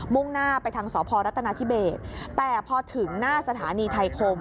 ่งหน้าไปทางสพรัฐนาธิเบสแต่พอถึงหน้าสถานีไทยคม